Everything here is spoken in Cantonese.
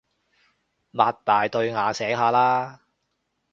擘大對眼醒下啦